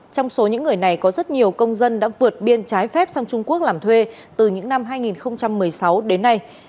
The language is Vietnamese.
trong số những người này có rất nhiều công dân đã vượt biên trái phép sang trung quốc làm thuê từ những năm hai nghìn một mươi sáu đến nay